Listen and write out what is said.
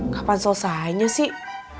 kapan selesainya sih